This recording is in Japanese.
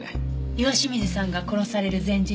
岩清水さんが殺される前日。